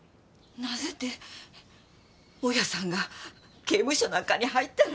なぜって大家さんが刑務所なんかに入ったら。